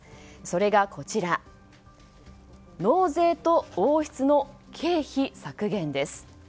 それが納税と王室の経費削減です。